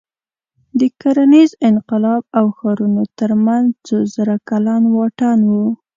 د کرنیز انقلاب او ښارونو تر منځ څو زره کلن واټن و.